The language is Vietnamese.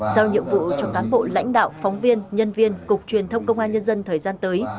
giao nhiệm vụ cho cán bộ lãnh đạo phóng viên nhân viên cục truyền thông công an nhân dân thời gian tới